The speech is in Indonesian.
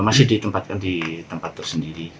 masih ditempatkan di tempat tersendiri